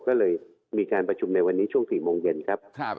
ก็เลยมีการประชุมในวันนี้ช่วง๔โมงเย็นครับ